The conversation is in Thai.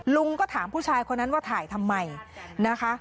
ลุงก็ถามผู้ชายคนนั้นว่าถ่ายทำไมนะคะ